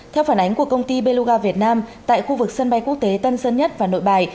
theo phản ánh của công ty beloga việt nam tại khu vực sân bay quốc tế tân sơn nhất và nội bài